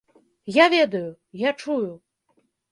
Я ведаю, я чую.